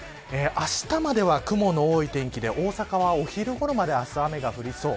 あしたまでは雲の多い天気で大阪はお昼ごろまで明日雨が降りそう。